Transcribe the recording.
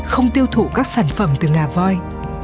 không tiêu thụ các sản phẩm từ ngà voi